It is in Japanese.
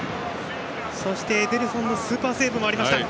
そして、エデルソンのスーパーセーブもありました。